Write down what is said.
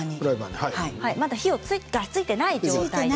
まだ火がついていない状態です。